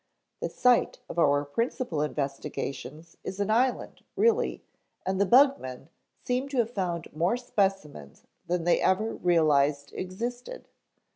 The site of our principal investigations is an island, really, and the bug men seem to have found more specimens than they ever realized existed.